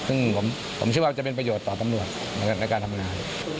ซึ่งผมเชื่อว่ามันจะเป็นประโยชน์ต่อตำรวจในการทำงาน